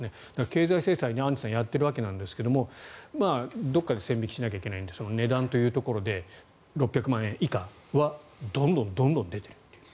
経済制裁、アンジュさんやっているわけですがどこかで線引きしないといけないので値段というところで６００万円以下はどんどん出ている。